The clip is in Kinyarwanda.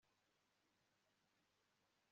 ibi ni ibyo mu mahanga